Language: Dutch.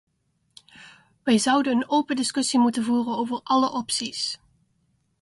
Wij zouden een open discussie moeten voeren over alle opties.